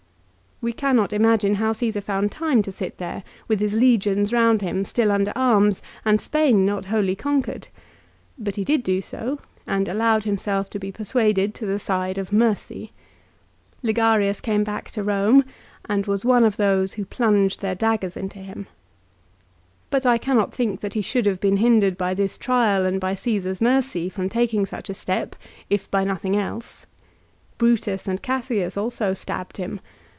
We cannot imagine how Csesar found time to sit there, with his legions round him, still under arms, and Spain not wholly conquered. But he did do so, and allowed himself to be persuaded to the side of mercy. Ligarius came back to Eome, and was one of those who plunged their daggers into him. But I cannot think that he should have been hindered by this trial and by Caesar's mercy from taking such a step, if by nothing else. Brutus and Cassius also stabbed him.